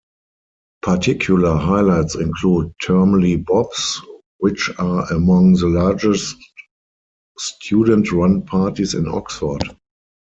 Particular highlights include termly bops, which are among the largest student-run parties in Oxford.